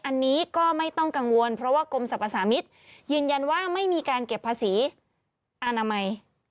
อันนี้ก็ไม่ต้องกังวลเพราะว่ากรมสรรพสามิตรยืนยันว่าไม่มีการเก็บภาษีอนามัย